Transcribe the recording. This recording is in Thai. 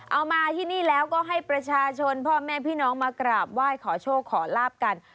เอามาที่นี่แล้วก็ให้ประชาชนพ่อแม่พี่น้องมากราบไหว้ขอโชคขอลาบกัน